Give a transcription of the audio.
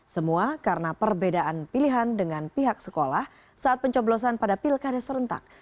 semua karena perbedaan pilihan dengan pihak sekolah saat pencoblosan pada pilkada serentak